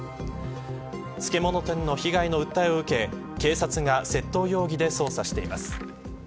漬物店の被害の訴えを受け警察が窃盗容疑で捜査しています。